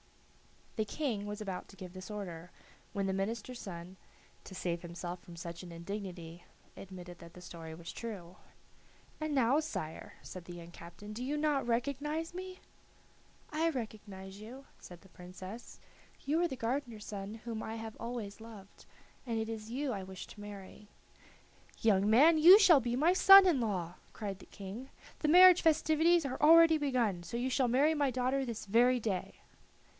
The King was about to give this order, when the minister's son, to save himself from such an indignity, admitted that the story was true. "And now, sire," said the young captain, "do you not recognize me?" "I recognize you," said the Princess; "you are the gardener's son whom I have always loved, and it is you I wish to marry." "Young man, you shall be my son in law," cried the King. "The marriage festivities are already begun, so you shall marry my daughter this very day."